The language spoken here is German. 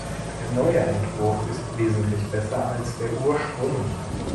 Der neue Entwurf ist wesentlich besser als der ursprüngliche.